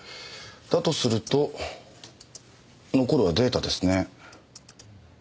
だとすると残るはデータですね。